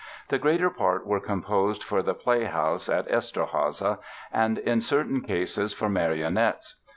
The greater part were composed for the play house at Eszterháza and in certain cases for marionettes.